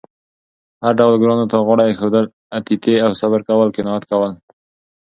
هر ډول ګرانو ته غاړه اېښودل، اتیتې او صبر کول، قناعت کول